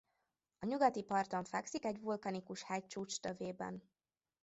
A nyugati parton fekszik egy vulkanikus hegycsúcs tövében.